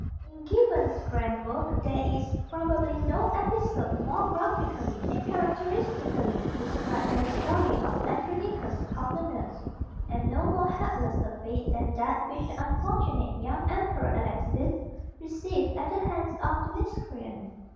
In Gibbon's grand work there is, probably, no episode more graphically and characteristically described than the story of Andronicus Comnenus; and no more hapless a fate than that which the unfortunate young Emperor Alexis received at the hands of the miscreant.